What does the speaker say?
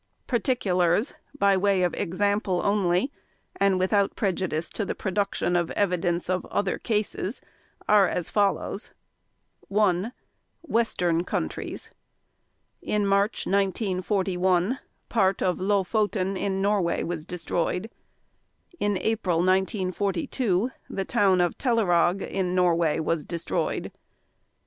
Particulars by way of example only and without prejudice to the production of evidence of other cases are as follows: 1. Western Countries: In March 1941, part of Lofoten in Norway was destroyed. In April 1942, the town of Telerag in Norway was destroyed.